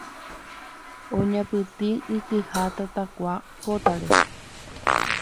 Oñapytĩ ikyha tatakua kótare